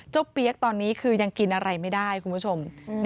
เปี๊ยกตอนนี้คือยังกินอะไรไม่ได้คุณผู้ชม